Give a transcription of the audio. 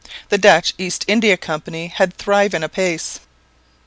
The Dutch East India Company had thriven apace.